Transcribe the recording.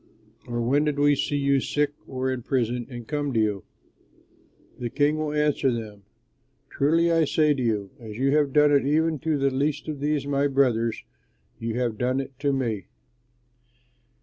Or when did we see you sick or in prison and come to you?' The King will answer them, 'Truly, I say to you, as you have done it even to the least of these my brothers, you have done it to me.'"